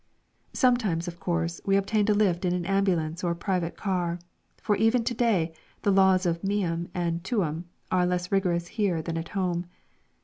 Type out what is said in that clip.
Sometimes, of course, we obtained a lift in an ambulance or private car, for even to day the laws of meum and tuum are less rigorous here than at home.